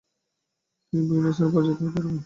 তিনি বিভিন্ন স্থানে পরাজিত হতে থাকেন।